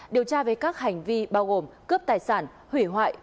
điều tra về các hành vi bao gồm cướp tài sản hủy hoại